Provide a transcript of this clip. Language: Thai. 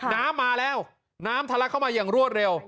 น้ำมาแล้วน้ำทะลักเข้ามาอย่างรวดเร็ว